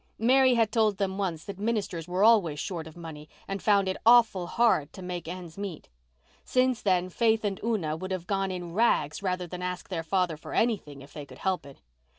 Mary had told them once that ministers were always short of money, and found it "awful hard" to make ends meet. Since then Faith and Una would have gone in rags rather than ask their father for anything if they could help it.